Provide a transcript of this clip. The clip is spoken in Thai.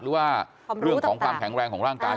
หรือว่าเรื่องของความแข็งแรงของร่างกาย